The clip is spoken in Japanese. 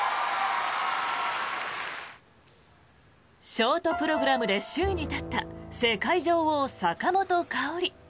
ショートプログラムで首位に立った世界女王、坂本花織。